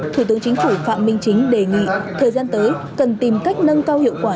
thủ tướng chính phủ phạm minh chính đề nghị thời gian tới cần tìm cách nâng cao hiệu quả